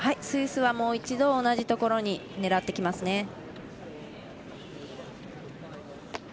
スイスはもう一度同じところに狙ってきますね。